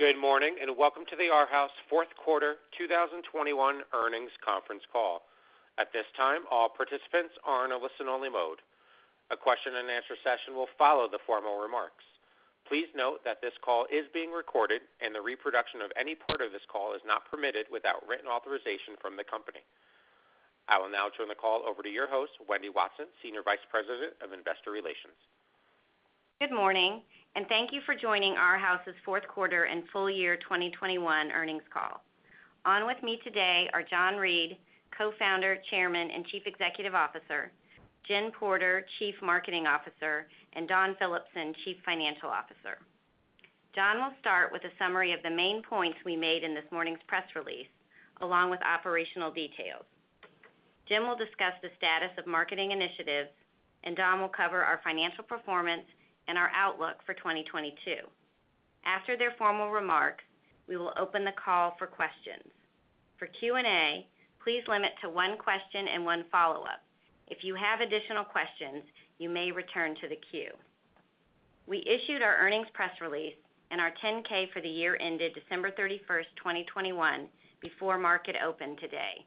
Good morning, and welcome to the Arhaus fourth quarter 2021 earnings conference call. At this time, all participants are in a listen-only mode. A question and answer session will follow the formal remarks. Please note that this call is being recorded, and the reproduction of any part of this call is not permitted without written authorization from the company. I will now turn the call over to your host, Wendy Watson, Senior Vice President of Investor Relations. Good morning, and thank you for joining Arhaus' fourth quarter and full year 2021 earnings call. On with me today are John Reed, Co-founder, Chairman, and Chief Executive Officer, Jen Porter, Chief Marketing Officer, and Dawn Phillipson, Chief Financial Officer. John will start with a summary of the main points we made in this morning's press release, along with operational details. Jen will discuss the status of marketing initiatives, and Dawn will cover our financial performance and our outlook for 2022. After their formal remarks, we will open the call for questions. For Q&A, please limit to one question and one follow-up. If you have additional questions, you may return to the queue. We issued our earnings press release and our 10-K for the year ended December 31st, 2021 before market open today.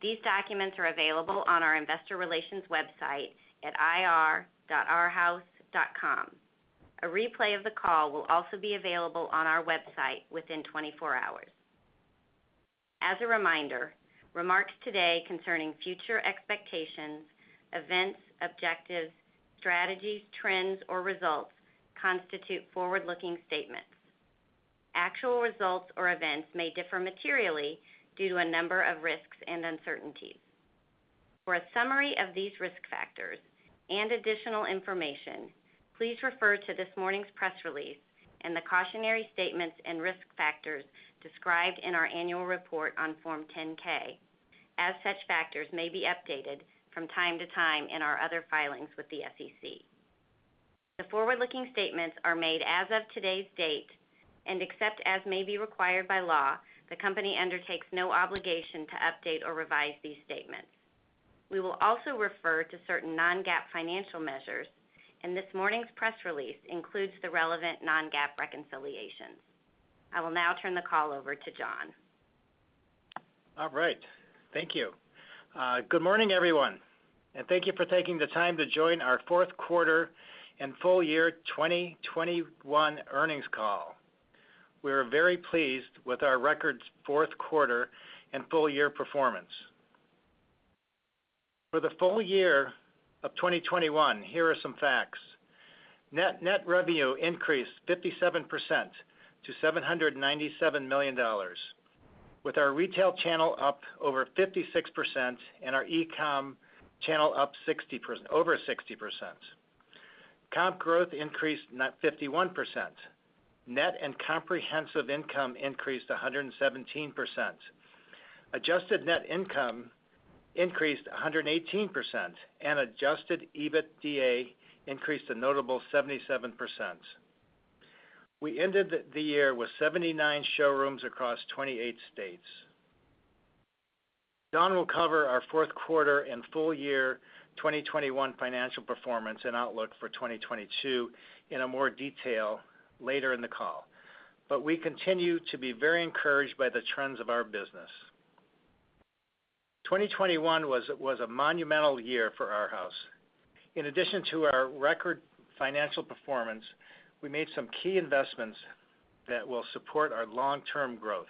These documents are available on our investor relations website at ir.arhaus.com. A replay of the call will also be available on our website within 24 hours. As a reminder, remarks today concerning future expectations, events, objectives, strategies, trends, or results constitute forward-looking statements. Actual results or events may differ materially due to a number of risks and uncertainties. For a summary of these risk factors and additional information, please refer to this morning's press release and the cautionary statements and risk factors described in our annual report on Form 10-K, as such factors may be updated from time to time in our other filings with the SEC. The forward-looking statements are made as of today's date, and except as may be required by law, the company undertakes no obligation to update or revise these statements. We will also refer to certain non-GAAP financial measures, and this morning's press release includes the relevant non-GAAP reconciliations. I will now turn the call over to John. All right. Thank you. Good morning, everyone, and thank you for taking the time to join our fourth quarter and full year 2021 earnings call. We are very pleased with our record fourth quarter and full year performance. For the full year of 2021, here are some facts. Net revenue increased 57% to $797 million, with our retail channel up over 56% and our e-com channel up 60%, over 60%. Comp growth increased net 51%. Net and comprehensive income increased 117%. Adjusted net income increased 118%, and adjusted EBITDA increased a notable 77%. We ended the year with 79 showrooms across 28 states. Dawn will cover our fourth quarter and full year 2021 financial performance and outlook for 2022 in more detail later in the call. We continue to be very encouraged by the trends of our business. 2021 was a monumental year for Arhaus. In addition to our record financial performance, we made some key investments that will support our long-term growth.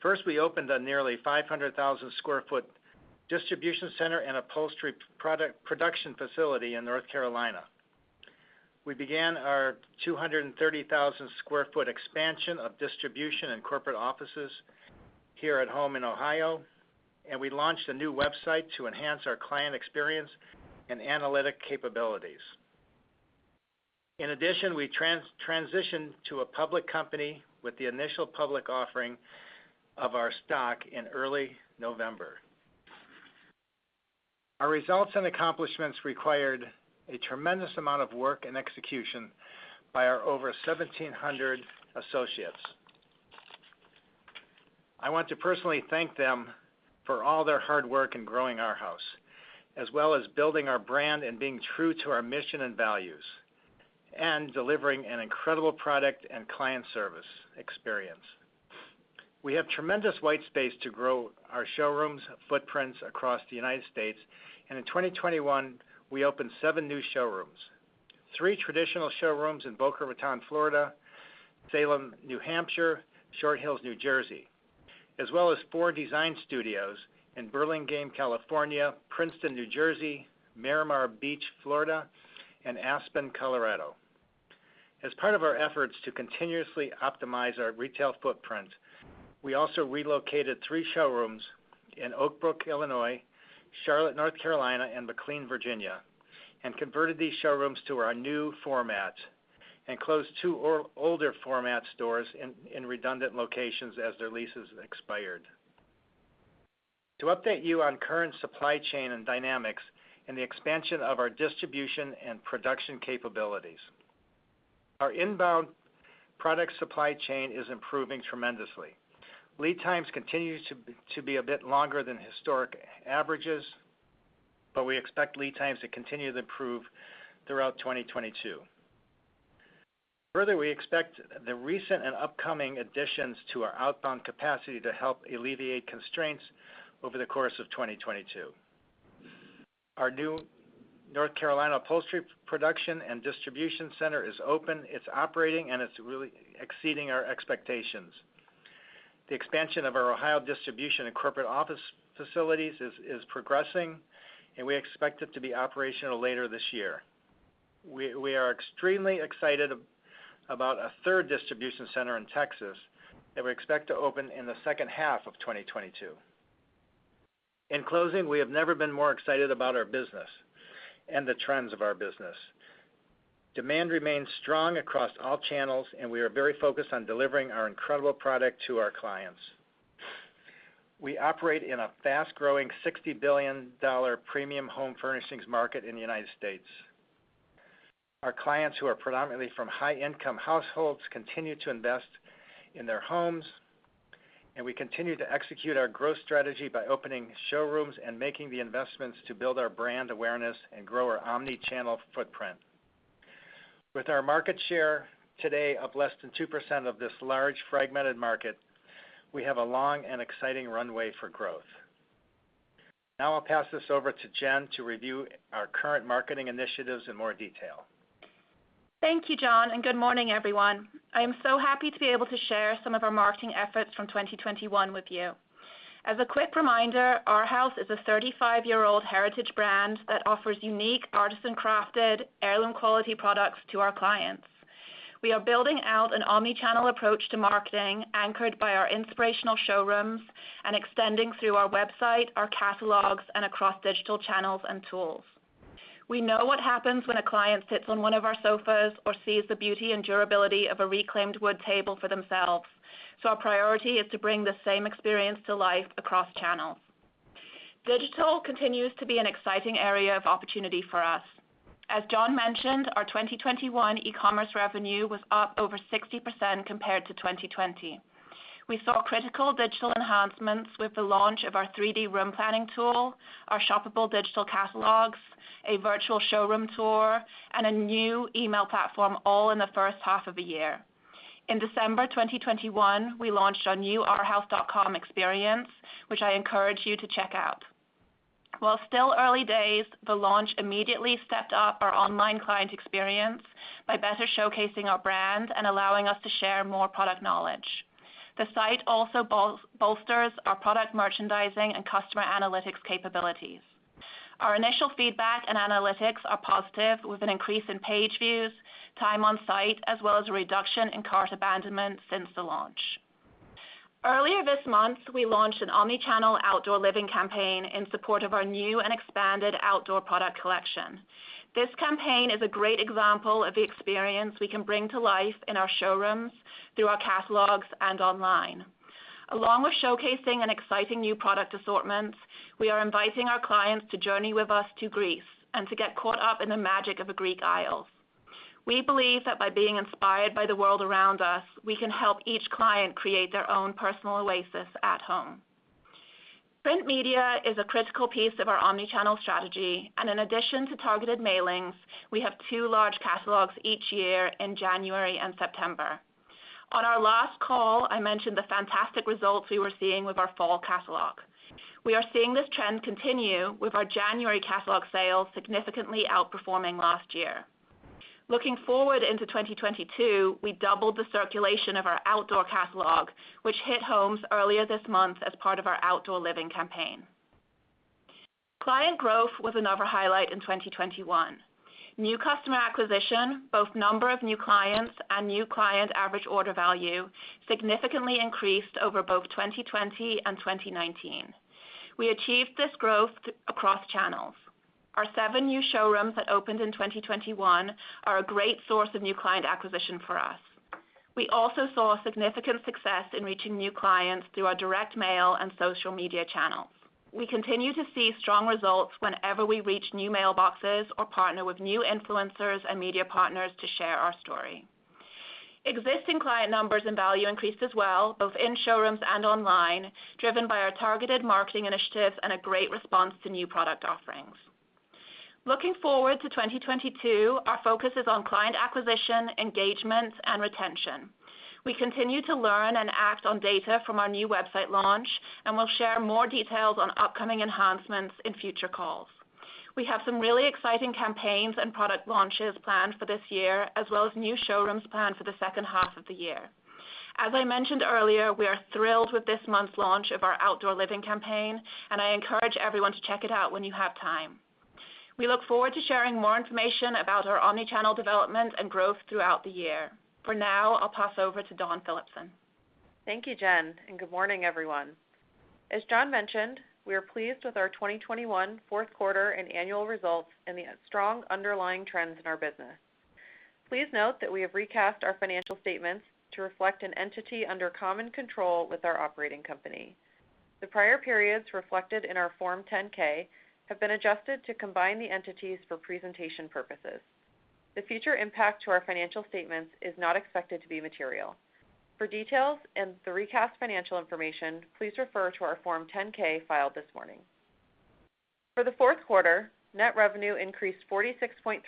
First, we opened a nearly 500,000 sq ft distribution center and upholstery production facility in North Carolina. We began our 230,000 sq ft expansion of distribution and corporate offices here at home in Ohio, and we launched a new website to enhance our client experience and analytics capabilities. In addition, we transitioned to a public company with the initial public offering of our stock in early November. Our results and accomplishments required a tremendous amount of work and execution by our over 1,700 associates. I want to personally thank them for all their hard work in growing Arhaus, as well as building our brand and being true to our mission and values, and delivering an incredible product and client service experience. We have tremendous white space to grow our showrooms footprint across the United States, and in 2021, we opened seven new showrooms. Three traditional showrooms in Boca Raton, Florida, Salem, New Hampshire, Short Hills, New Jersey, as well as four design studios in Burlingame, California, Princeton, New Jersey, Miramar Beach, Florida, and Aspen, Colorado. As part of our efforts to continuously optimize our retail footprint, we also relocated three showrooms in Oak Brook, Illinois, Charlotte, North Carolina, and McLean, Virginia, and converted these showrooms to our new format and closed two older format stores in redundant locations as their leases expired. To update you on current supply chain and dynamics and the expansion of our distribution and production capabilities. Our inbound product supply chain is improving tremendously. Lead times continue to be a bit longer than historic averages. But we expect lead times to continue to improve throughout 2022. Further, we expect the recent and upcoming additions to our outbound capacity to help alleviate constraints over the course of 2022. Our new North Carolina upholstery production and distribution center is open, it's operating, and it's really exceeding our expectations. The expansion of our Ohio distribution and corporate office facilities is progressing, and we expect it to be operational later this year. We are extremely excited about a third distribution center in Texas that we expect to open in the second half of 2022. In closing, we have never been more excited about our business and the trends of our business. Demand remains strong across all channels, and we are very focused on delivering our incredible product to our clients. We operate in a fast-growing $60 billion premium home furnishings market in the United States. Our clients, who are predominantly from high-income households, continue to invest in their homes, and we continue to execute our growth strategy by opening showrooms and making the investments to build our brand awareness and grow our omni-channel footprint. With our market share today of less than 2% of this large fragmented market, we have a long and exciting runway for growth. Now I'll pass this over to Jen to review our current marketing initiatives in more detail. Thank you, John, and good morning, everyone. I am so happy to be able to share some of our marketing efforts from 2021 with you. As a quick reminder, Arhaus is a 35-year-old heritage brand that offers unique artisan-crafted, heirloom quality products to our clients. We are building out an omni-channel approach to marketing anchored by our inspirational showrooms and extending through our website, our catalogs, and across digital channels and tools. We know what happens when a client sits on one of our sofas or sees the beauty and durability of a reclaimed wood table for themselves. Our priority is to bring the same experience to life across channels. Digital continues to be an exciting area of opportunity for us. As John mentioned, our 2021 e-commerce revenue was up over 60% compared to 2020. We saw critical digital enhancements with the launch of our 3D room planning tool, our shoppable digital catalogs, a virtual showroom tour, and a new email platform all in the first half of the year. In December 2021, we launched our new arhaus.com experience, which I encourage you to check out. While still early days, the launch immediately stepped up our online client experience by better showcasing our brand and allowing us to share more product knowledge. The site also bolsters our product merchandising and customer analytics capabilities. Our initial feedback and analytics are positive, with an increase in page views, time on site, as well as a reduction in cart abandonment since the launch. Earlier this month, we launched an omni-channel outdoor living campaign in support of our new and expanded outdoor product collection. This campaign is a great example of the experience we can bring to life in our showrooms through our catalogs and online. Along with showcasing an exciting new product assortment, we are inviting our clients to journey with us to Greece and to get caught up in the magic of the Greek Isles. We believe that by being inspired by the world around us, we can help each client create their own personal oasis at home. Print media is a critical piece of our omni-channel strategy, and in addition to targeted mailings, we have two large catalogs each year in January and September. On our last call, I mentioned the fantastic results we were seeing with our fall catalog. We are seeing this trend continue with our January catalog sales significantly outperforming last year. Looking forward into 2022, we doubled the circulation of our outdoor catalog, which hit homes earlier this month as part of our outdoor living campaign. Client growth was another highlight in 2021. New customer acquisition, both number of new clients and new client average order value, significantly increased over both 2020 and 2019. We achieved this growth across channels. Our seven new showrooms that opened in 2021 are a great source of new client acquisition for us. We also saw significant success in reaching new clients through our direct mail and social media channels. We continue to see strong results whenever we reach new mailboxes or partner with new influencers and media partners to share our story. Existing client numbers and value increased as well, both in showrooms and online, driven by our targeted marketing initiatives and a great response to new product offerings. Looking forward to 2022, our focus is on client acquisition, engagement, and retention. We continue to learn and act on data from our new website launch, and we'll share more details on upcoming enhancements in future calls. We have some really exciting campaigns and product launches planned for this year, as well as new showrooms planned for the second half of the year. As I mentioned earlier, we are thrilled with this month's launch of our outdoor living campaign, and I encourage everyone to check it out when you have time. We look forward to sharing more information about our omni-channel development and growth throughout the year. For now, I'll pass over to Dawn Phillipson. Thank you, Jen, and good morning, everyone. As John mentioned, we are pleased with our 2021 fourth quarter and annual results and the strong underlying trends in our business. Please note that we have recast our financial statements to reflect an entity under common control with our operating company. The prior periods reflected in our Form 10-K have been adjusted to combine the entities for presentation purposes. The future impact to our financial statements is not expected to be material. For details and the recast financial information, please refer to our Form 10-K filed this morning. For the fourth quarter, net revenue increased 46.3%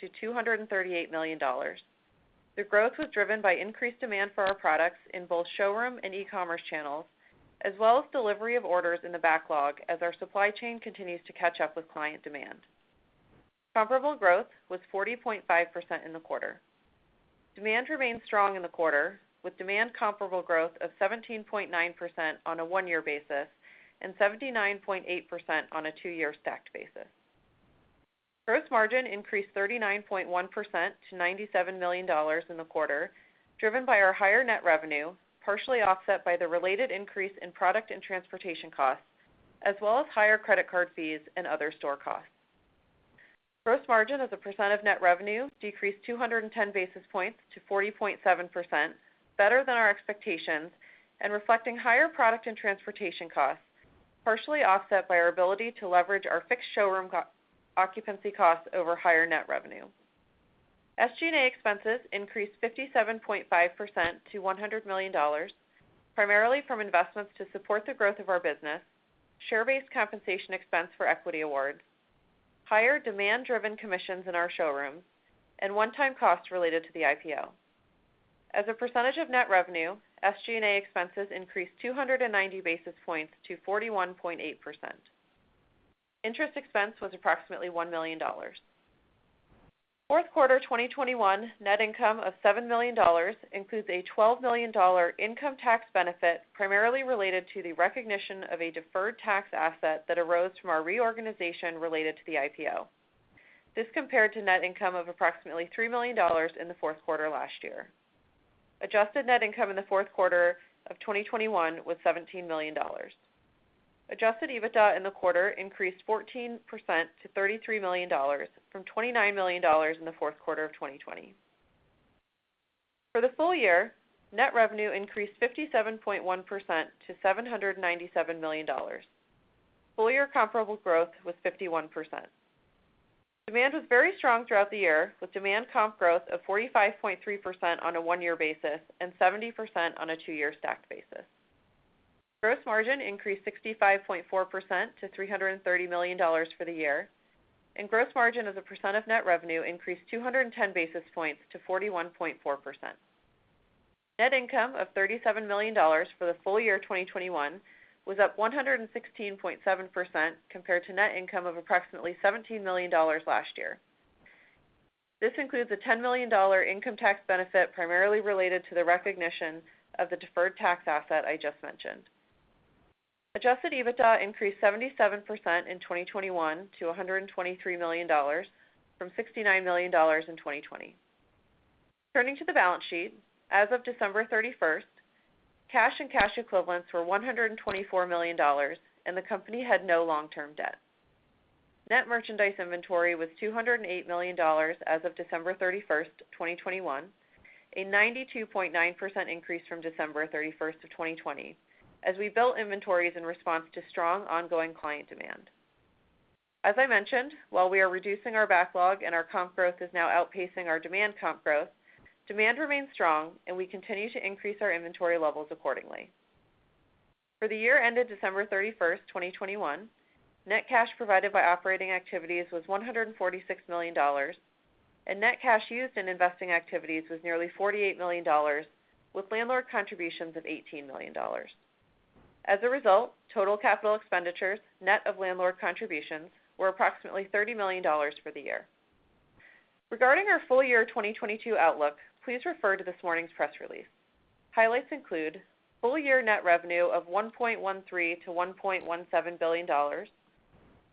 to $238 million. The growth was driven by increased demand for our products in both showroom and e-commerce channels, as well as delivery of orders in the backlog as our supply chain continues to catch up with client demand. Comparable growth was 40.5% in the quarter. Demand remained strong in the quarter, with demand comparable growth of 17.9% on a one-year basis and 79.8% on a two-year stacked basis. Gross margin increased 39.1% to $97 million in the quarter, driven by our higher net revenue, partially offset by the related increase in product and transportation costs, as well as higher credit card fees and other store costs. Gross margin as a percent of net revenue decreased 210 basis points to 40.7%, better than our expectations and reflecting higher product and transportation costs, partially offset by our ability to leverage our fixed showroom co-occupancy costs over higher net revenue. SG&A expenses increased 57.5% to $100 million, primarily from investments to support the growth of our business, share-based compensation expense for equity awards, higher demand-driven commissions in our showrooms, and one-time costs related to the IPO. As a percentage of net revenue, SG&A expenses increased 290 basis points to 41.8%. Interest expense was approximately $1 million. Fourth quarter 2021 net income of $7 million includes a $12 million income tax benefit primarily related to the recognition of a deferred tax asset that arose from our reorganization related to the IPO. This compared to net income of approximately $3 million in the fourth quarter last year. Adjusted net income in the fourth quarter of 2021 was $17 million. Adjusted EBITDA in the quarter increased 14% to $33 million from $29 million in the fourth quarter of 2020. For the full year, net revenue increased 57.1% to $797 million. Full year comparable growth was 51%. Demand was very strong throughout the year, with demand comp growth of 45.3% on a one-year basis and 70% on a two-year stacked basis. Gross margin increased 65.4% to $330 million for the year, and gross margin as a percent of net revenue increased 210 basis points to 41.4%. Net income of $37 million for the full year 2021 was up 116.7% compared to net income of approximately $17 million last year. This includes a $10 million income tax benefit primarily related to the recognition of the deferred tax asset I just mentioned. Adjusted EBITDA increased 77% in 2021 to $123 million from $69 million in 2020. Turning to the balance sheet, as of December 31st, cash and cash equivalents were $124 million and the company had no long-term debt. Net merchandise inventory was $208 million as of December 31st, 2021, a 92.9% increase from December 31st, 2020, as we built inventories in response to strong ongoing client demand. As I mentioned, while we are reducing our backlog and our comp growth is now outpacing our demand comp growth, demand remains strong and we continue to increase our inventory levels accordingly. For the year ended December 31st, 2021, net cash provided by operating activities was $146 million and net cash used in investing activities was nearly $48 million, with landlord contributions of $18 million. As a result, total capital expenditures, net of landlord contributions, were approximately $30 million for the year. Regarding our full year 2022 outlook, please refer to this morning's press release. Highlights include full year net revenue of $1.13 billion-$1.17 billion,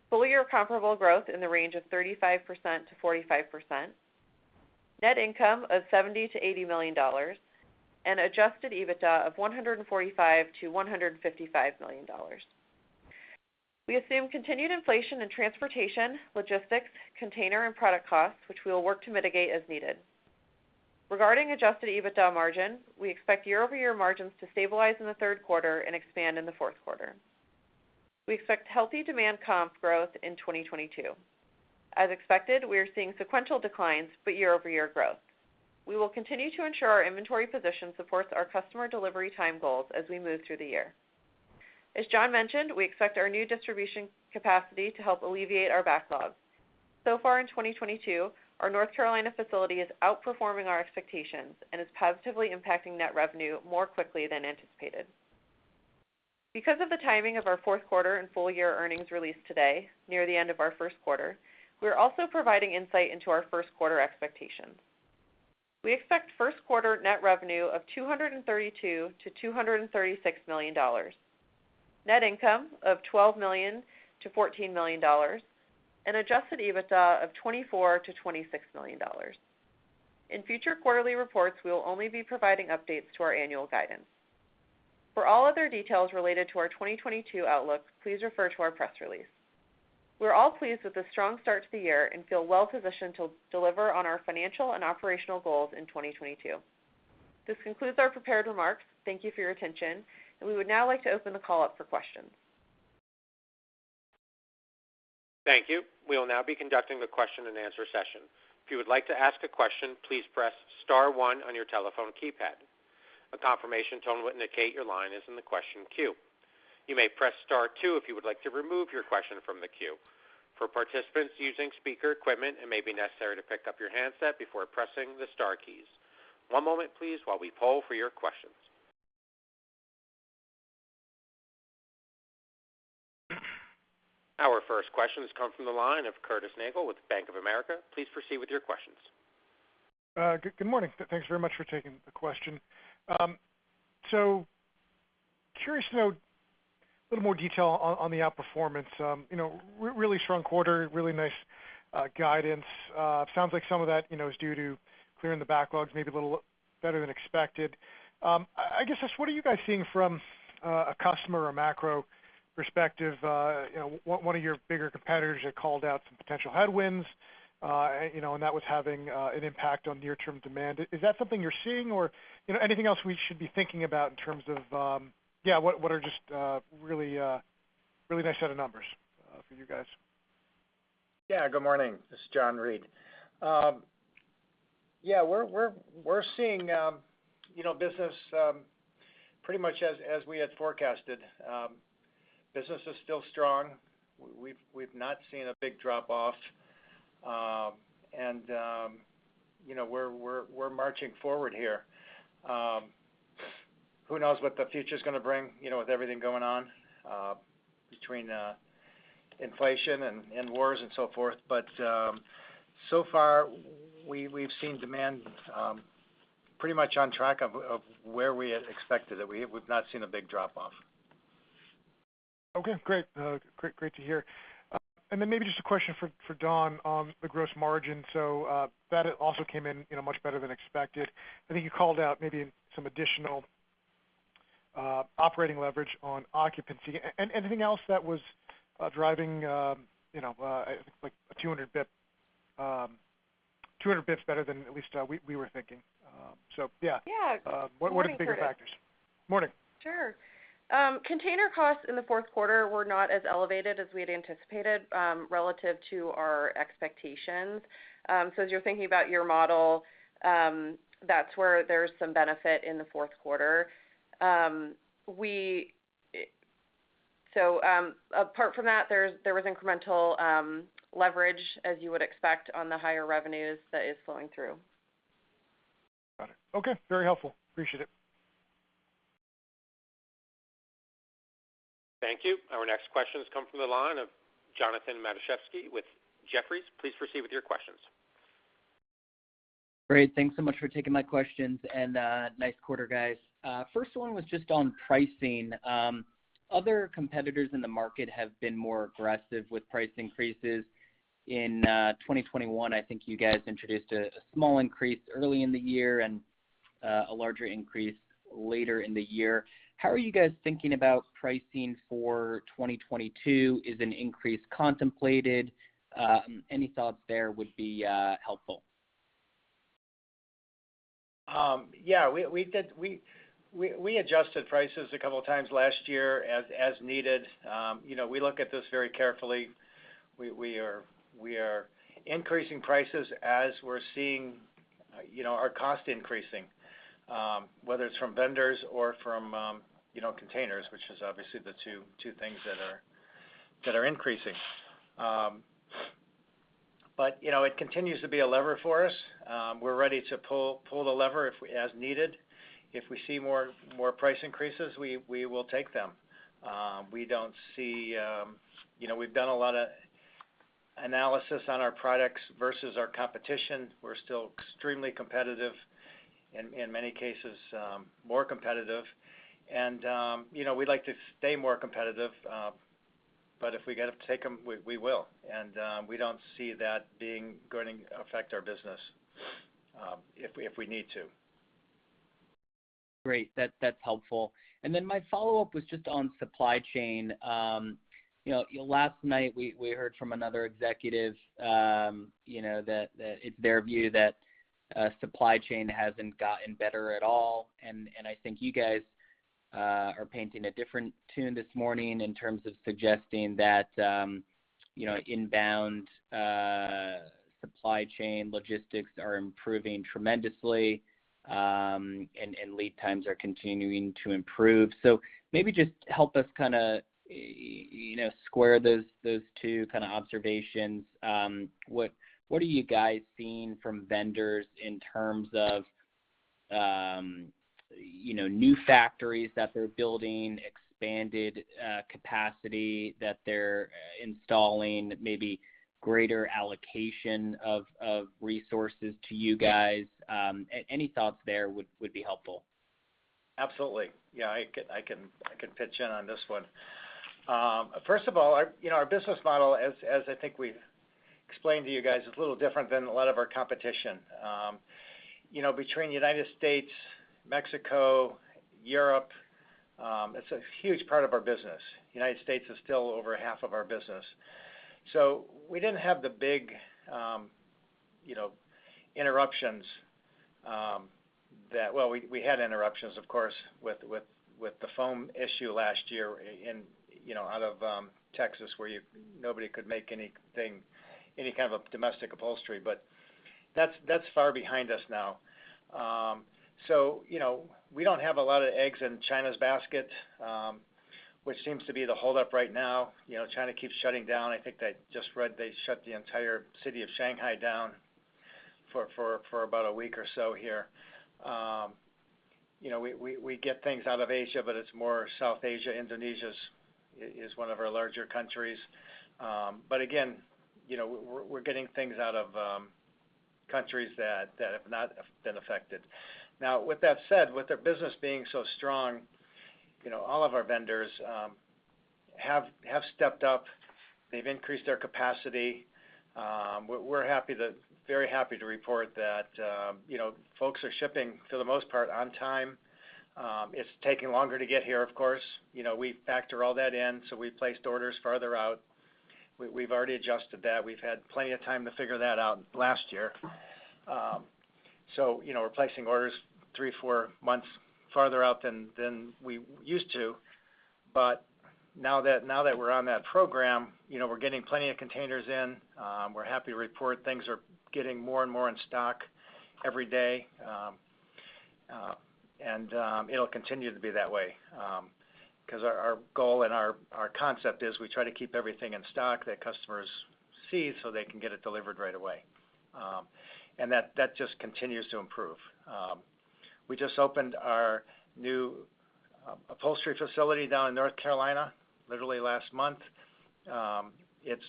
full year comparable growth in the range of 35%-45%, net income of $70 million-$80 million, and adjusted EBITDA of $145 million-$155 million. We assume continued inflation in transportation, logistics, container and product costs, which we will work to mitigate as needed. Regarding adjusted EBITDA margin, we expect year-over-year margins to stabilize in the third quarter and expand in the fourth quarter. We expect healthy demand comp growth in 2022. As expected, we are seeing sequential declines but year-over-year growth. We will continue to ensure our inventory position supports our customer delivery time goals as we move through the year. As John mentioned, we expect our new distribution capacity to help alleviate our backlogs. So far in 2022, our North Carolina facility is outperforming our expectations and is positively impacting net revenue more quickly than anticipated. Because of the timing of our fourth quarter and full year earnings release today, near the end of our first quarter, we are also providing insight into our first quarter expectations. We expect first quarter net revenue of $232 million-$236 million, net income of $12 million-$14 million, and adjusted EBITDA of $24 million-$26 million. In future quarterly reports, we will only be providing updates to our annual guidance. For all other details related to our 2022 outlook, please refer to our press release. We're all pleased with the strong start to the year and feel well positioned to deliver on our financial and operational goals in 2022. This concludes our prepared remarks. Thank you for your attention, and we would now like to open the call up for questions. Thank you. We'll now be conducting the question and answer session. If you would like to ask a question, please press star one on your telephone keypad. A confirmation tone will indicate your line is in the question queue. You may press star two if you would like to remove your question from the queue. For participants using speaker equipment, it may be necessary to pick up your handset before pressing the star keys. One moment please while we poll for your questions. Our first question has come from the line of Curtis Nagle with Bank of America. Please proceed with your questions. Good morning. Thanks very much for taking the question. Curious to know a little more detail on the outperformance. You know, really strong quarter, really nice guidance. Sounds like some of that, you know, is due to clearing the backlogs maybe a little better than expected. I guess just what are you guys seeing from a customer or macro perspective? You know, one of your bigger competitors had called out some potential headwinds, you know, and that was having an impact on near-term demand. Is that something you're seeing or, you know, anything else we should be thinking about in terms of, yeah, what are just really nice set of numbers for you guys? Yeah. Good morning. This is John Reed. Yeah, we're seeing, you know, business pretty much as we had forecasted. Business is still strong. We've not seen a big drop off. You know, we're marching forward here. Who knows what the future's gonna bring, you know, with everything going on between inflation and wars and so forth. So far we've seen demand pretty much on track of where we had expected it. We've not seen a big drop off. Okay, great. Great to hear. Maybe just a question for Dawn on the gross margin. That also came in, you know, much better than expected. I think you called out maybe some additional operating leverage on occupancy. Anything else that was driving, you know, like 200 bps better than at least we were thinking? Yeah. Yeah. Good morning, Curtis. What were the bigger factors? Morning. Sure. Container costs in the fourth quarter were not as elevated as we had anticipated, relative to our expectations. As you're thinking about your model, that's where there's some benefit in the fourth quarter. Apart from that, there was incremental leverage as you would expect on the higher revenues that is flowing through. Got it. Okay. Very helpful. Appreciate it. Thank you. Our next question has come from the line of Jonathan Matuszewski with Jefferies. Please proceed with your questions. Great. Thanks so much for taking my questions, and nice quarter, guys. First one was just on pricing. Other competitors in the market have been more aggressive with price increases. In 2021, I think you guys introduced a small increase early in the year and a larger increase later in the year. How are you guys thinking about pricing for 2022? Is an increase contemplated? Any thoughts there would be helpful. Yeah, we did. We adjusted prices a couple of times last year as needed. You know, we look at this very carefully. We are increasing prices as we're seeing, you know, our costs increasing, whether it's from vendors or from, you know, containers, which are obviously the two things that are increasing. But, you know, it continues to be a lever for us. We're ready to pull the lever as needed. If we see more price increases, we will take them. We don't see, you know, we've done a lot of analysis on our products versus our competition. We're still extremely competitive, in many cases, more competitive. You know, we'd like to stay more competitive, but if we gotta take them, we will. We don't see that being gonna affect our business, if we need to. Great. That's helpful. My follow-up was just on supply chain. You know, last night we heard from another executive, you know, that it's their view that supply chain hasn't gotten better at all. I think you guys are painting a different tune this morning in terms of suggesting that, you know, inbound supply chain logistics are improving tremendously, and lead times are continuing to improve. Maybe just help us kinda, you know, square those two kinda observations. What are you guys seeing from vendors in terms of, you know, new factories that they're building, expanded capacity that they're installing, maybe greater allocation of resources to you guys? Any thoughts there would be helpful. Absolutely. Yeah, I can pitch in on this one. First of all, you know, our business model, as I think we've explained to you guys, is a little different than a lot of our competition. You know, between United States, Mexico, Europe, it's a huge part of our business. United States is still over half of our business. We didn't have the big, you know, interruptions. Well, we had interruptions, of course, with the foam issue last year in, you know, out of, Texas, where nobody could make anything, any kind of domestic upholstery, but that's far behind us now. You know, we don't have a lot of eggs in China's basket, which seems to be the hold-up right now. You know, China keeps shutting down. I think I just read they shut the entire city of Shanghai down for about a week or so here. You know, we get things out of Asia, but it's more South Asia. Indonesia is one of our larger countries. Again, you know, we're getting things out of countries that have not been affected. Now, with that said, with their business being so strong, you know, all of our vendors have stepped up. They've increased their capacity. We're very happy to report that, you know, folks are shipping, for the most part, on time. It's taking longer to get here, of course. You know, we factor all that in, so we placed orders farther out. We've already adjusted that. We've had plenty of time to figure that out last year. You know, we're placing orders three, four months farther out than we used to. Now that we're on that program, you know, we're getting plenty of containers in. We're happy to report things are getting more and more in stock every day. It'll continue to be that way, 'cause our goal and our concept is we try to keep everything in stock that customers see so they can get it delivered right away. That just continues to improve. We just opened our new upholstery facility down in North Carolina literally last month. It's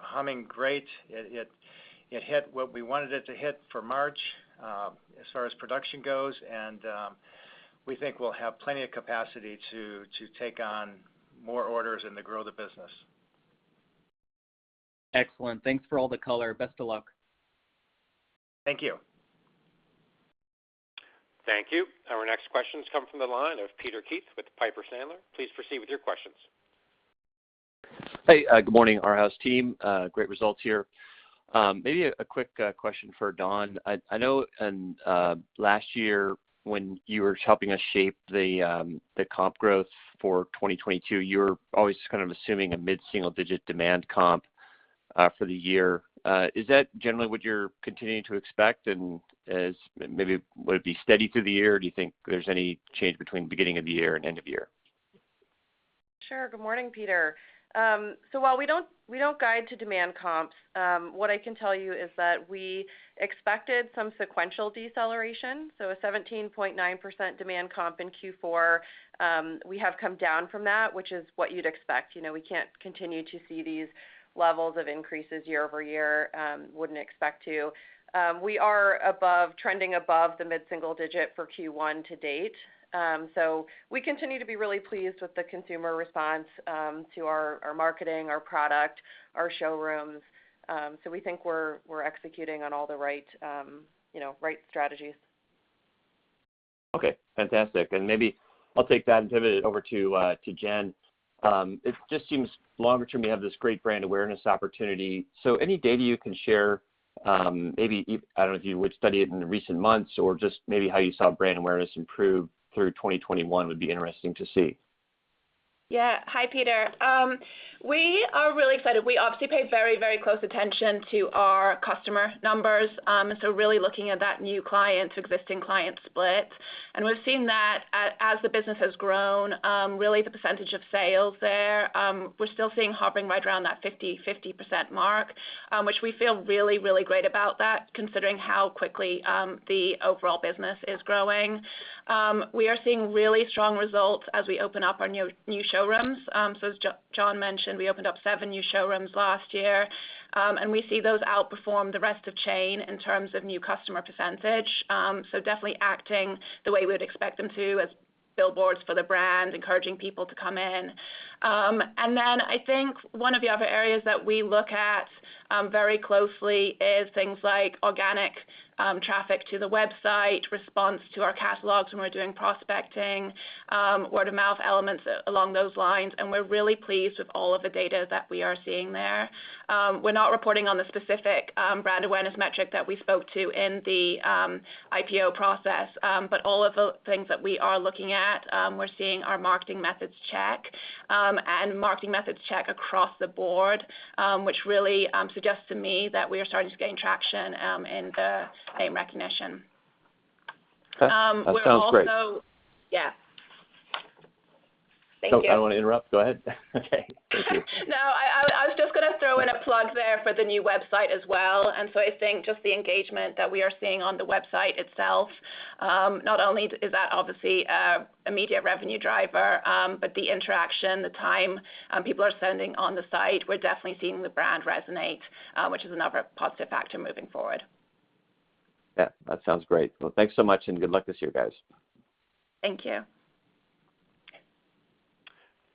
humming great. It hit what we wanted it to hit for March, as far as production goes, and we think we'll have plenty of capacity to take on more orders and to grow the business. Excellent. Thanks for all the color. Best of luck. Thank you. Thank you. Our next questions come from the line of Peter Keith with Piper Sandler. Please proceed with your questions. Hey, good morning, Arhaus team. Great results here. Maybe a quick question for Dawn. I know last year when you were helping us shape the comp growth for 2022, you were always kind of assuming a mid-single-digit demand comp for the year. Is that generally what you're continuing to expect, and maybe would it be steady through the year, or do you think there's any change between beginning of the year and end of year? Sure. Good morning, Peter. While we don't guide to demand comps, what I can tell you is that we expected some sequential deceleration, so a 17.9% demand comp in Q4. We have come down from that, which is what you'd expect. You know, we can't continue to see these levels of increases year-over-year. Wouldn't expect to. We are trending above the mid-single digit for Q1 to date. We continue to be really pleased with the consumer response to our marketing, our product, our showrooms. We think we're executing on all the right, you know, right strategies. Okay, fantastic. Maybe I'll take that and pivot it over to Jen. It just seems longer term you have this great brand awareness opportunity. Any data you can share, maybe I don't know if you would study it in the recent months or just maybe how you saw brand awareness improve through 2021 would be interesting to see. Yeah. Hi, Peter. We are really excited. We obviously pay very close attention to our customer numbers, so really looking at that new client to existing client split. We've seen that as the business has grown, really the percentage of sales there, we're still seeing hopping right around that 50/50% mark, which we feel really great about that considering how quickly the overall business is growing. We are seeing really strong results as we open up our new showrooms. As John mentioned, we opened up seven new showrooms last year, and we see those outperform the rest of chain in terms of new customer percentage. Definitely acting the way we would expect them to as billboards for the brand, encouraging people to come in. I think one of the other areas that we look at very closely is things like organic traffic to the website, response to our catalogs when we're doing prospecting, word of mouth elements along those lines, and we're really pleased with all of the data that we are seeing there. We're not reporting on the specific brand awareness metric that we spoke to in the IPO process. All of the things that we are looking at, we're seeing our marketing metrics check across the board, which really suggests to me that we are starting to gain traction in the recognition. We're also. That sounds great. Yeah. Thank you. Oh, I don't wanna interrupt. Go ahead. Okay. Thank you. No, I was just gonna throw in a plug there for the new website as well. I think just the engagement that we are seeing on the website itself, not only is that obviously an immediate revenue driver, but the interaction, the time people are spending on the site, we're definitely seeing the brand resonate, which is another positive factor moving forward. Yeah. That sounds great. Well, thanks so much, and good luck this year, guys. Thank you.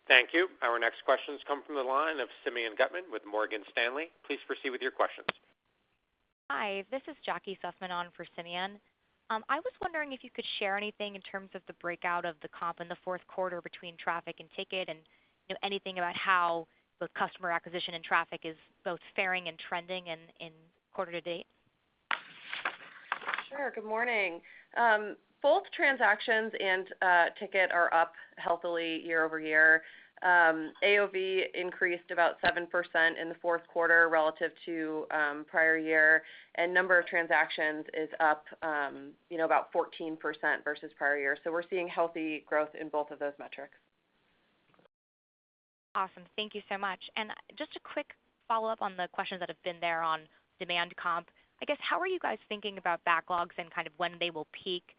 Thank you. Our next questions come from the line of Simeon Gutman with Morgan Stanley. Please proceed with your questions. Hi, this is Jacquelyn Sussman on for Simeon. I was wondering if you could share anything in terms of the breakout of the comp in the fourth quarter between traffic and ticket and anything about how both customer acquisition and traffic is both faring and trending in quarter to date. Sure. Good morning. Both transactions and ticket are up healthily year-over-year. AOV increased about 7% in the fourth quarter relative to prior year, and number of transactions is up, you know, about 14% versus prior year. We're seeing healthy growth in both of those metrics. Awesome. Thank you so much. Just a quick follow-up on the questions that have been there on demand comp. I guess, how are you guys thinking about backlogs and kind of when they will peak?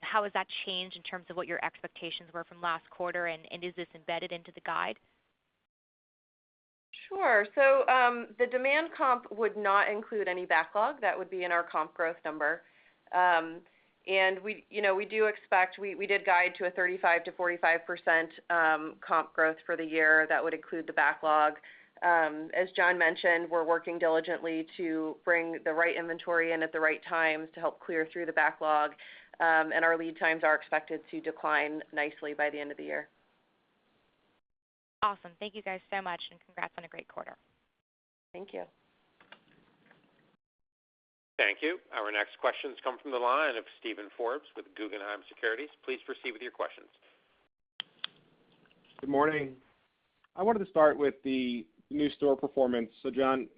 How has that changed in terms of what your expectations were from last quarter, and is this embedded into the guide? Sure. The demand comp would not include any backlog. That would be in our comp growth number. We did guide to a 35%-45% comp growth for the year that would include the backlog. As John mentioned, we're working diligently to bring the right inventory in at the right times to help clear through the backlog, and our lead times are expected to decline nicely by the end of the year. Awesome. Thank you guys so much, and congrats on a great quarter. Thank you. Thank you. Our next question comes from the line of Steven Forbes with Guggenheim Securities. Please proceed with your questions. Good morning. I wanted to start with the new store performance. John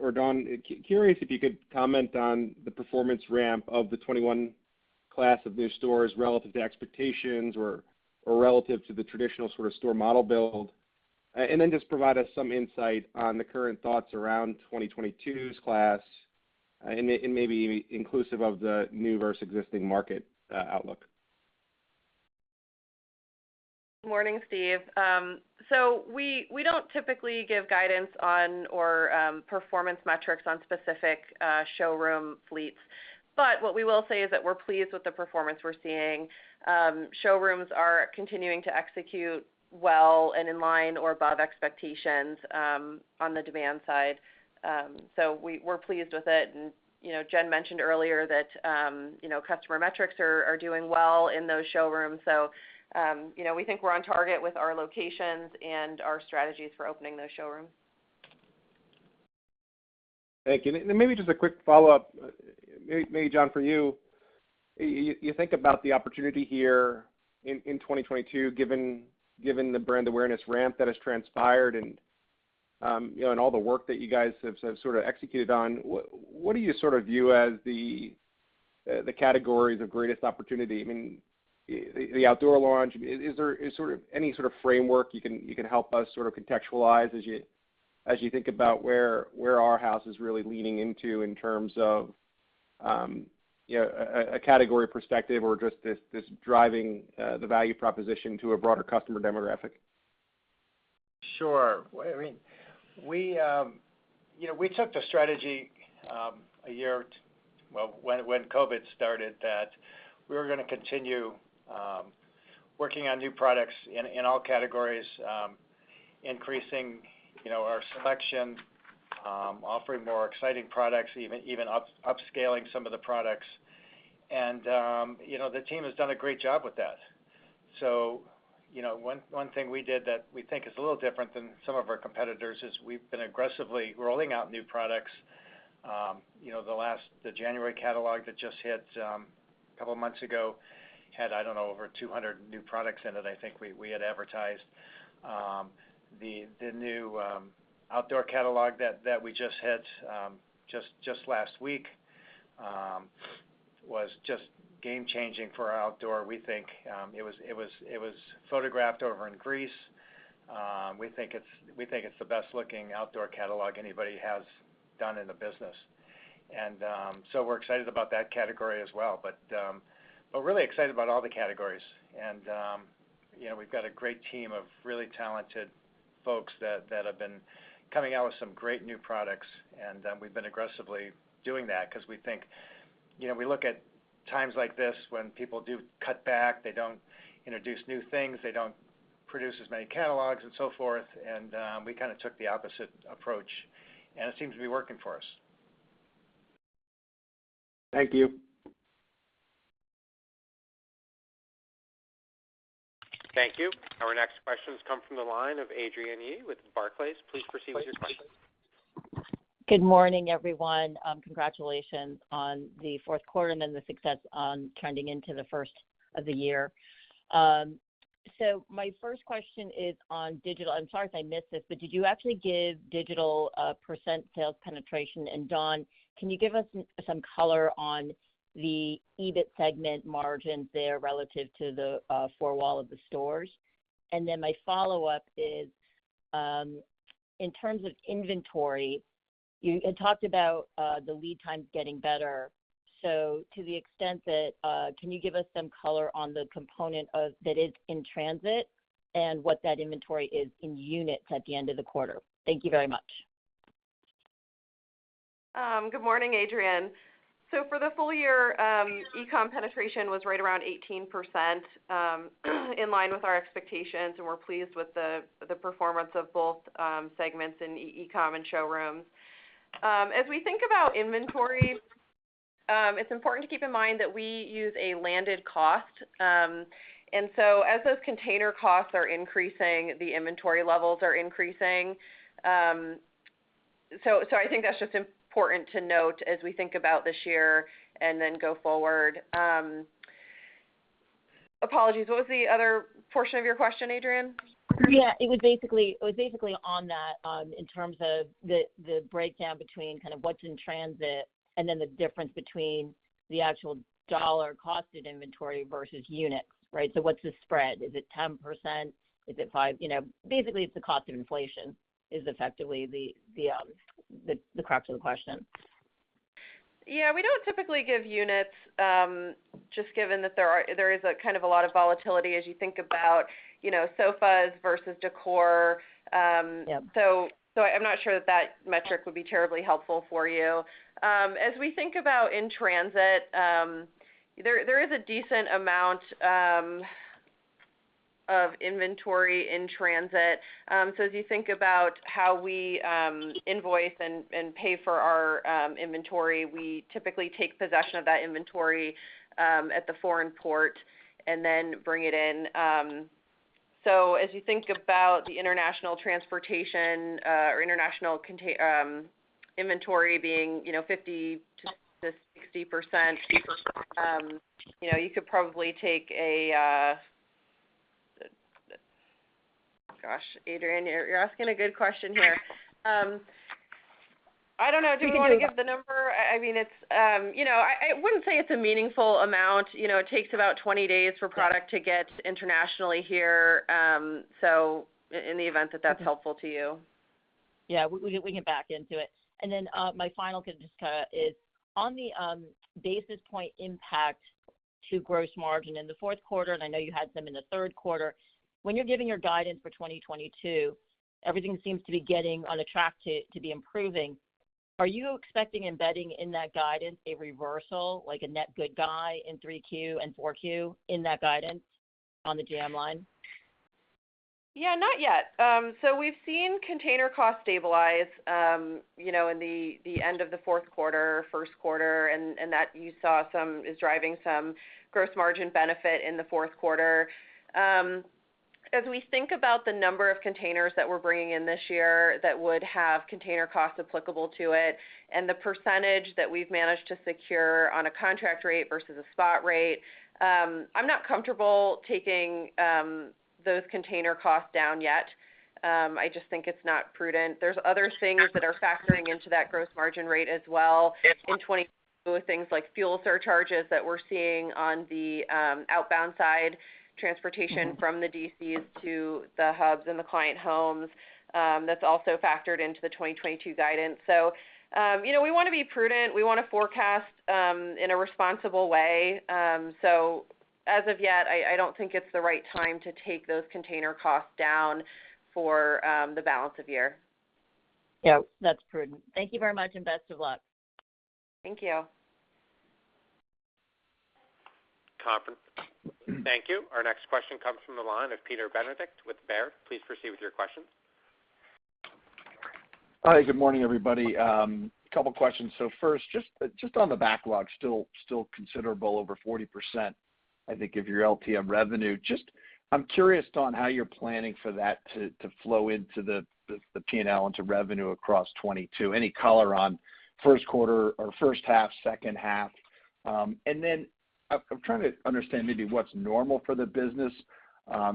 or Dawn, curious if you could comment on the performance ramp of the 2021 class of new stores relative to expectations or relative to the traditional sort of store model build. Then just provide us some insight on the current thoughts around 2022's class, and maybe inclusive of the new versus existing market outlook. Morning, Steve. We don't typically give guidance on performance metrics on specific showroom fleets. What we will say is that we're pleased with the performance we're seeing. Showrooms are continuing to execute well and in line or above expectations on the demand side. We're pleased with it. You know, Jen mentioned earlier that you know, customer metrics are doing well in those showrooms. You know, we think we're on target with our locations and our strategies for opening those showrooms. Thank you. Maybe just a quick follow-up, maybe John, for you. You think about the opportunity here in 2022, given the brand awareness ramp that has transpired and you know, and all the work that you guys have sort of executed on, what do you sort of view as the categories of greatest opportunity? I mean, the outdoor launch, is there any sort of framework you can help us sort of contextualize as you think about where Arhaus is really leaning into in terms of you know, a category perspective or just this driving the value proposition to a broader customer demographic? Sure. I mean, we, you know, we took the strategy a year, well, when COVID started that we were gonna continue working on new products in all categories, increasing, you know, our selection, offering more exciting products, even upscaling some of the products. You know, the team has done a great job with that. You know, one thing we did that we think is a little different than some of our competitors is we've been aggressively rolling out new products, you know, the January catalog that just hit a couple of months ago had, I don't know, over 200 new products in it. I think we had advertised the new outdoor catalog that we just had just last week was just game-changing for our outdoor. We think it was photographed over in Greece. We think it's the best-looking outdoor catalog anybody has done in the business. We're excited about that category as well, really excited about all the categories. You know, we've got a great team of really talented folks that have been coming out with some great new products, and we've been aggressively doing that because we think, you know, we look at times like this when people do cut back, they don't introduce new things, they don't produce as many catalogs and so forth. We kind of took the opposite approach, and it seems to be working for us. Thank you. Thank you. Our next question comes from the line of Adrienne Yih with Barclays. Please proceed with your question. Good morning, everyone. Congratulations on the fourth quarter and then the success on trending into the first of the year. My first question is on digital. I'm sorry if I missed this, but did you actually give digital percent sales penetration? Dawn, can you give us some color on the EBIT segment margin there relative to the four-wall of the stores? My follow-up is in terms of inventory. It talked about the lead times getting better. To the extent that, can you give us some color on the component of that is in transit and what that inventory is in units at the end of the quarter? Thank you very much. Good morning, Adrienne. For the full year, e-comm penetration was right around 18%, in line with our expectations, and we're pleased with the performance of both segments in e-comm and showrooms. As we think about inventory, it's important to keep in mind that we use a landed cost. As those container costs are increasing, the inventory levels are increasing. I think that's just important to note as we think about this year and then go forward. Apologies, what was the other portion of your question, Adrienne? Yeah, it was basically on that, in terms of the breakdown between kind of what's in transit and then the difference between the actual dollar cost of inventory versus units, right? So what's the spread? Is it 10%? Is it 5%? You know, basically it's the cost of inflation is effectively the crux of the question. Yeah, we don't typically give units, just given that there is a kind of a lot of volatility as you think about, you know, sofas versus decor. Yeah. I'm not sure that metric would be terribly helpful for you. As we think about in transit, there is a decent amount of inventory in transit. As you think about how we invoice and pay for our inventory, we typically take possession of that inventory at the foreign port and then bring it in. As you think about the international transportation or inventory being, you know, 50%-60%, you know, you could probably take a. Gosh, Adrienne, you're asking a good question here. I don't know, do we want to give the number? I mean, it's, you know. I wouldn't say it's a meaningful amount. You know, it takes about 20 days for product to get internationally here. In the event that that's helpful to you. Yeah. We can back into it. Then, my final question, Dawn, is on the basis point impact to gross margin in the fourth quarter, and I know you had some in the third quarter, when you're giving your guidance for 2022, everything seems to be getting on track to be improving. Are you expecting embedded in that guidance a reversal, like a net positive in Q3 and Q4 in that guidance on the GM line? Yeah, not yet. So we've seen container costs stabilize, you know, in the end of the fourth quarter, first quarter, and that is driving some gross margin benefit in the fourth quarter. As we think about the number of containers that we're bringing in this year that would have container costs applicable to it and the percentage that we've managed to secure on a contract rate versus a spot rate, I'm not comfortable taking those container costs down yet. I just think it's not prudent. There's other things that are factoring into that gross margin rate as well in 2022, things like fuel surcharges that we're seeing on the outbound side, transportation from the DCs to the hubs and the client homes, that's also factored into the 2022 guidance. You know, we wanna be prudent. We wanna forecast in a responsible way. As of yet, I don't think it's the right time to take those container costs down for the balance of year. Yeah, that's prudent. Thank you very much, and best of luck. Thank you. Thank you. Our next question comes from the line of Peter Benedict with Baird. Please proceed with your question. Hi. Good morning, everybody. A couple questions. First, just on the backlog, still considerable over 40%, I think, of your LTM revenue. I'm curious on how you're planning for that to flow into the P&L into revenue across 2022. Any color on first quarter or first half, second half? I'm trying to understand maybe what's normal for the business.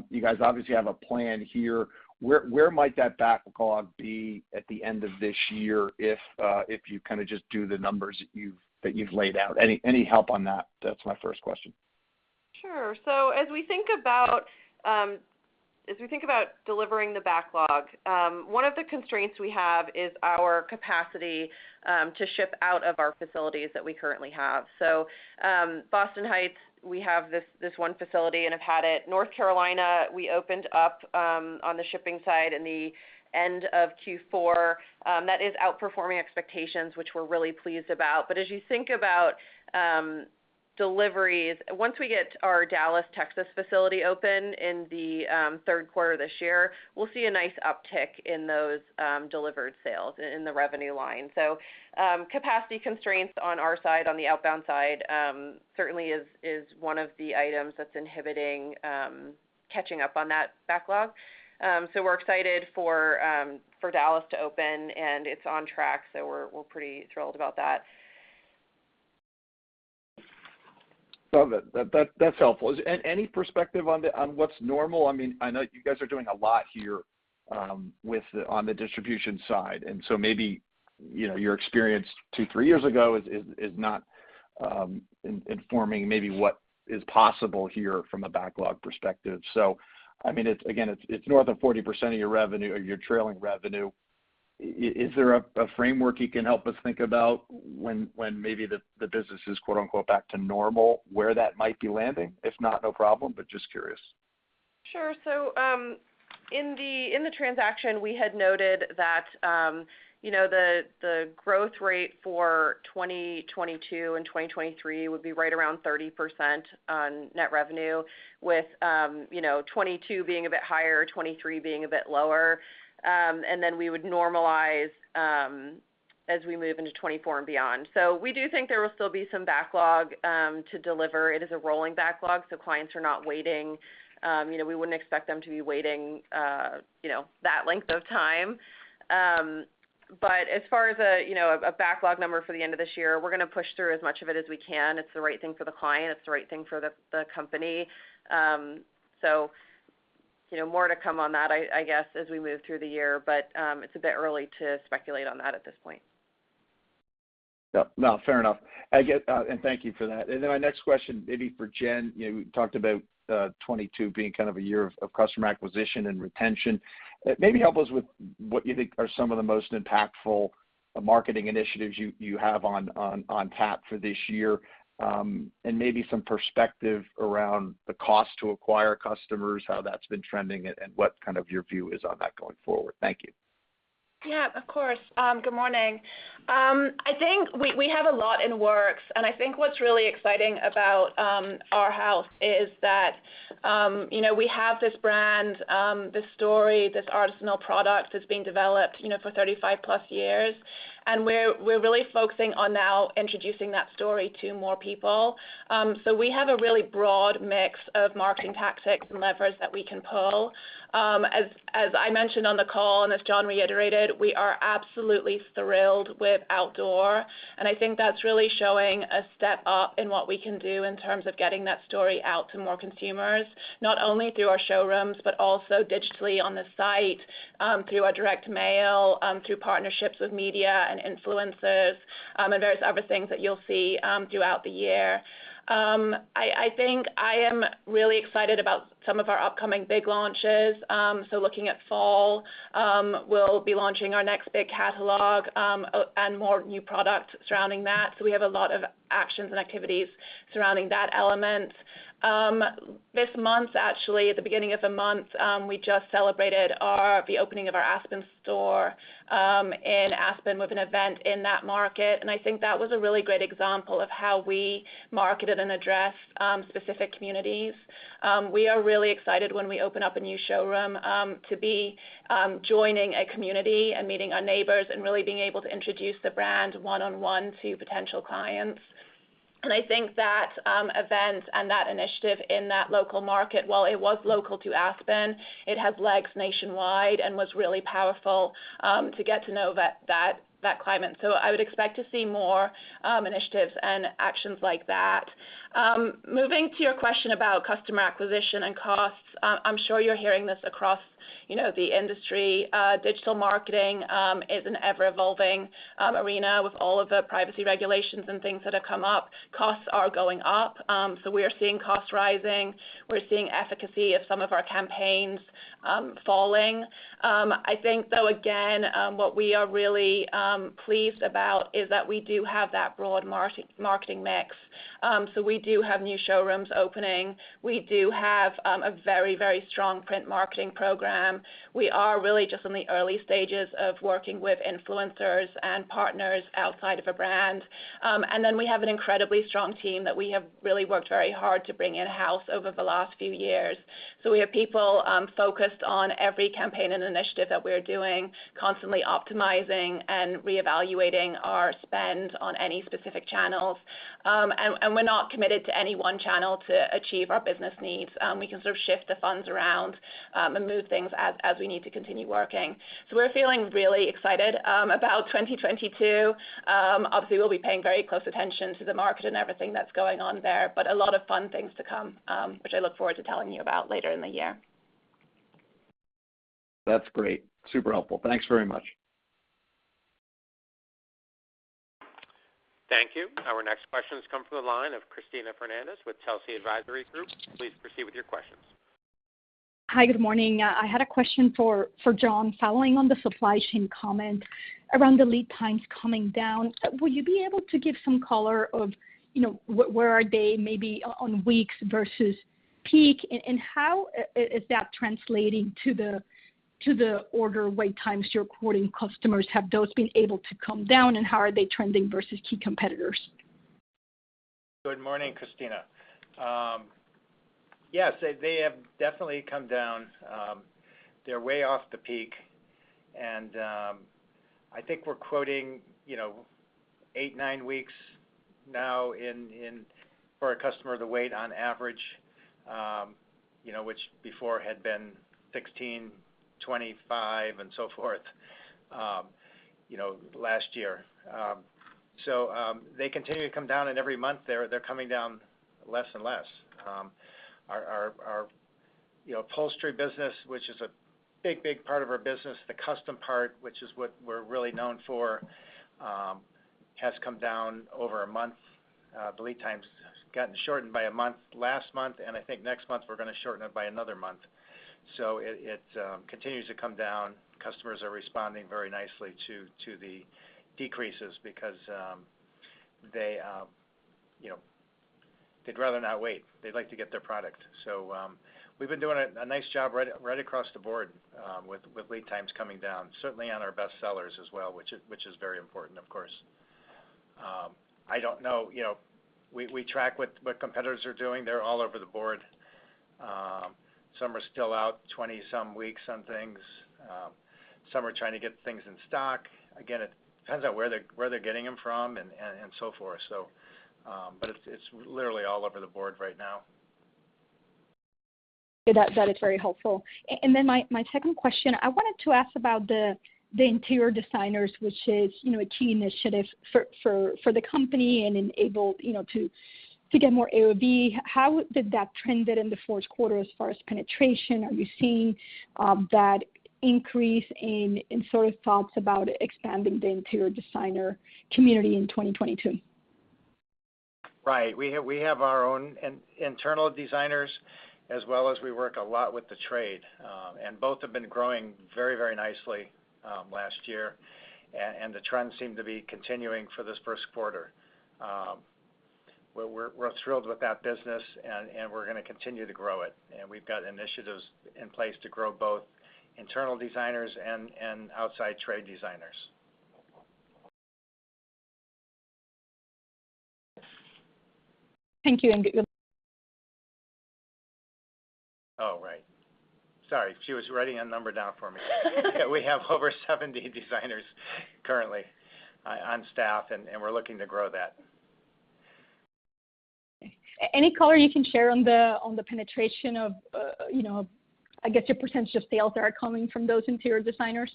You guys obviously have a plan here. Where might that backlog be at the end of this year if you kinda just do the numbers that you've laid out? Any help on that? That's my first question. Sure. As we think about delivering the backlog, one of the constraints we have is our capacity to ship out of our facilities that we currently have. Boston Heights, we have this one facility and have had it. North Carolina, we opened up on the shipping side in the end of Q4. That is outperforming expectations, which we're really pleased about. As you think about deliveries, once we get our Dallas, Texas facility open in the third quarter this year, we'll see a nice uptick in those delivered sales in the revenue line. Capacity constraints on our side, on the outbound side, certainly is one of the items that's inhibiting catching up on that backlog. We're excited for Dallas to open, and it's on track, so we're pretty thrilled about that. Love it. That's helpful. Any perspective on what's normal? I mean, I know you guys are doing a lot here with on the distribution side, and so maybe you know your experience two, three years ago is not informing maybe what is possible here from a backlog perspective. I mean, it's again north of 40% of your revenue or your trailing revenue. Is there a framework you can help us think about when maybe the business is quote-unquote “back to normal” where that might be landing? If not, no problem, but just curious. Sure. In the transaction, we had noted that, you know, the growth rate for 2022 and 2023 would be right around 30% on net revenue with, you know, 2022 being a bit higher, 2023 being a bit lower. We would normalize as we move into 2024 and beyond. We do think there will still be some backlog to deliver. It is a rolling backlog, so clients are not waiting. You know, we wouldn't expect them to be waiting, you know, that length of time. As far as, you know, a backlog number for the end of this year, we're gonna push through as much of it as we can. It's the right thing for the client. It's the right thing for the company. You know, more to come on that, I guess, as we move through the year. It's a bit early to speculate on that at this point. No, no, fair enough, I guess, and thank you for that. Then my next question may be for Jen. You know, you talked about 2022 being kind of a year of customer acquisition and retention. Maybe help us with what you think are some of the most impactful marketing initiatives you have on tap for this year, and maybe some perspective around the cost to acquire customers, how that's been trending, and what kind of your view is on that going forward. Thank you. Yeah, of course. Good morning. I think we have a lot in the works, and I think what's really exciting about Arhaus is that, you know, we have this brand, this story, this artisanal product that's been developed, you know, for 35+ years, and we're really focusing on now introducing that story to more people. We have a really broad mix of marketing tactics and levers that we can pull. As I mentioned on the call, and as John Reed reiterated, we are absolutely thrilled with outdoor, and I think that's really showing a step up in what we can do in terms of getting that story out to more consumers, not only through our showrooms, but also digitally on the site, through our direct mail, through partnerships with media and influencers, and various other things that you'll see throughout the year. I think I am really excited about some of our upcoming big launches. Looking at fall, we'll be launching our next big catalog, and more new products surrounding that. We have a lot of actions and activities surrounding that element. This month, actually, at the beginning of the month, we just celebrated the opening of our Aspen store in Aspen with an event in that market. I think that was a really great example of how we marketed and addressed specific communities. We are really excited when we open up a new showroom to be joining a community and meeting our neighbors and really being able to introduce the brand one-on-one to potential clients. I think that event and that initiative in that local market, while it was local to Aspen, it has legs nationwide and was really powerful to get to know that climate. I would expect to see more initiatives and actions like that. Moving to your question about customer acquisition and costs, I'm sure you're hearing this across, you know, the industry. Digital marketing is an ever-evolving arena with all of the privacy regulations and things that have come up. Costs are going up, so we are seeing costs rising. We're seeing efficacy of some of our campaigns falling. I think though again, what we are really pleased about is that we do have that broad marketing mix. We do have new showrooms opening. We do have a very, very strong print marketing program. We are really just in the early stages of working with influencers and partners outside of a brand. We have an incredibly strong team that we have really worked very hard to bring in-house over the last few years. We have people focused on every campaign and initiative that we're doing, constantly optimizing and reevaluating our spend on any specific channels. We're not committed to any one channel to achieve our business needs. We can sort of shift the funds around and move things as we need to continue working. We're feeling really excited about 2022. Obviously, we'll be paying very close attention to the market and everything that's going on there, but a lot of fun things to come, which I look forward to telling you about later in the year. That's great. Super helpful. Thanks very much. Thank you. Our next question has come through the line of Cristina Fernandez with Telsey Advisory Group. Please proceed with your questions. Hi, good morning. I had a question for John following on the supply chain comment around the lead times coming down. Will you be able to give some color of, you know, where are they maybe on weeks versus peak? And how is that translating to the order wait times you're quoting customers? Have those been able to come down, and how are they trending versus key competitors? Good morning, Cristina. Yes, they have definitely come down. They're way off the peak. I think we're quoting, you know, eight, nine weeks now in for a customer to wait on average, you know, which before had been 16, 25 and so forth, you know, last year. They continue to come down, and every month they're coming down less and less. Our, you know, upholstery business, which is a big part of our business, the custom part, which is what we're really known for, has come down over a month. The lead time's gotten shortened by a month last month, and I think next month we're gonna shorten it by another month. It continues to come down. Customers are responding very nicely to the decreases because They, you know, they'd rather not wait. They'd like to get their product. We've been doing a nice job right across the board with lead times coming down, certainly on our best sellers as well, which is very important, of course. I don't know, you know, we track what competitors are doing. They're all over the board. Some are still out 20-some weeks on things. Some are trying to get things in stock. Again, it depends on where they're getting them from and so forth. It's literally all over the board right now. That is very helpful. Then my second question, I wanted to ask about the interior designers, which is, you know, a key initiative for the company and enabled, you know, to get more AOV. How did that trended in the fourth quarter as far as penetration? Are you seeing that increase? Any sort of thoughts about expanding the interior designer community in 2022? Right. We have our own internal designers as well as we work a lot with the trade. Both have been growing very nicely last year. And the trends seem to be continuing for this first quarter. We're thrilled with that business and we're gonna continue to grow it. We've got initiatives in place to grow both internal designers and outside trade designers. Thank you. Oh, right. Sorry. She was writing a number down for me. We have over 70 designers currently on staff, and we're looking to grow that. Any color you can share on the penetration of, you know, I guess your percentage of sales that are coming from those interior designers?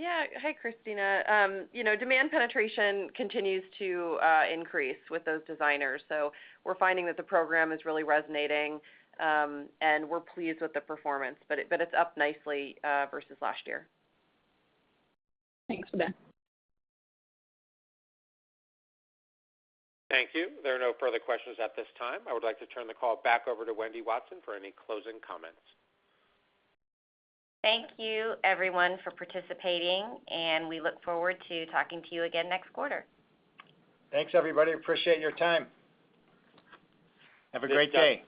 Hi, Cristina. You know, demand penetration continues to increase with those designers. We're finding that the program is really resonating, and we're pleased with the performance. It's up nicely versus last year. Thanks for that. Thank you. There are no further questions at this time. I would like to turn the call back over to Wendy Watson for any closing comments. Thank you, everyone, for participating, and we look forward to talking to you again next quarter. Thanks, everybody. Appreciate your time. Have a great day.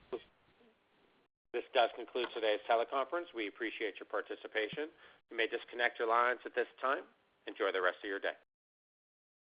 This does conclude today's teleconference. We appreciate your participation. You may disconnect your lines at this time. Enjoy the rest of your day.